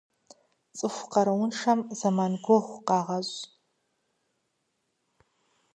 Цӏыху къарууншэхэм зэман гугъу къагъэщӏ.